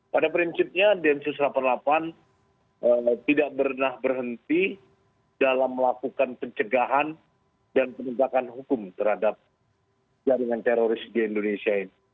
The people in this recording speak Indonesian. pada prinsipnya densus delapan puluh delapan tidak pernah berhenti dalam melakukan pencegahan dan penegakan hukum terhadap jaringan teroris di indonesia ini